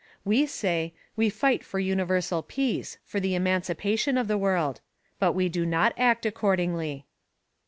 We say: "We fight for universal peace, for the emancipation of the world," but we do not act accordingly.